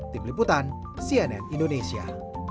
tim liputan cnn indonesia